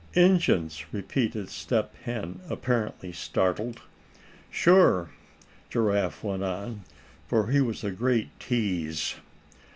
"Injuns!" repeated Step Hen, apparently startled. "Sure," Giraffe went on, for he was a great tease.